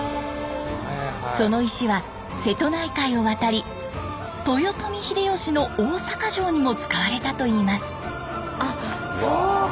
その石は瀬戸内海を渡り豊臣秀吉の大坂城にも使われたといいます。